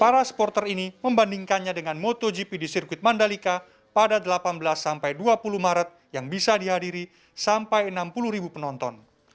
para supporter ini membandingkannya dengan motogp di sirkuit mandalika pada delapan belas sampai dua puluh maret yang bisa dihadiri sampai enam puluh ribu penonton